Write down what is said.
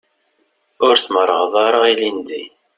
Ur tmerrɣeḍ ara ilindi.